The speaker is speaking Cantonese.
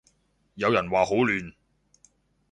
有人話好亂